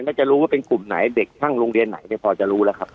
ก็จะรู้ว่าเป็นกลุ่มไหนเด็กช่างโรงเรียนไหนพอจะรู้แล้วครับ